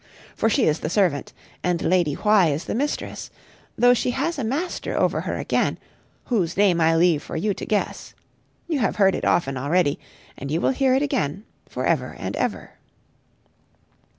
For she is the servant, and Lady Why is the mistress; though she has a Master over her again whose name I leave for you to guess. You have heard it often already, and you will hear it again, for ever and ever.